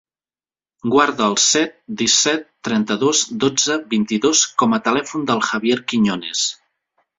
Guarda el set, disset, trenta-dos, dotze, vint-i-dos com a telèfon del Javier Quiñones.